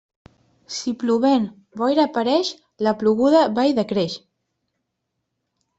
Si plovent, boira apareix, la ploguda va i decreix.